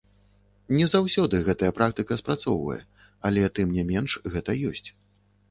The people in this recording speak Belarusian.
Не заўсёды гэтая практыка спрацоўвае, але, тым не менш, гэта ёсць.